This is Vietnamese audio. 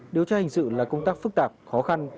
điều tra hình sự là công tác phức tạp khó khăn